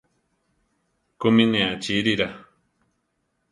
¿Kúmi ne achíirira?